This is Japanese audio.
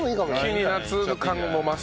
一気に夏感も増す。